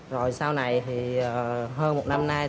rồi sau này thì hơn một năm nay